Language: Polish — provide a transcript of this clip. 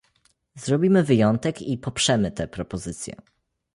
Zrobimy wyjątek i poprzemy tę propozycję